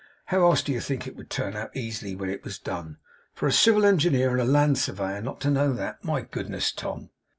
How else do you think it would turn out easily when it was done! For a civil engineer and land surveyor not to know that! My goodness, Tom!